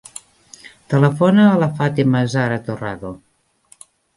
Telefona a la Fàtima zahra Torrado.